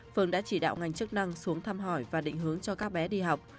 phường đã chỉ đạo ngành chức năng xuống thăm hỏi và định hướng cho các bé đi học